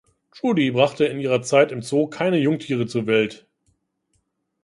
Trudy brachte in ihrer Zeit im Zoo keine Jungtiere zur Welt.